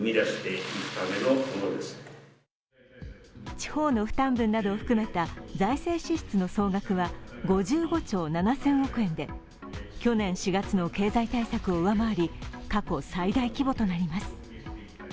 地方の負担分などを含めた財政支出の総額は５５兆７０００億円で去年４月の経済対策を上回り過去最大規模となります。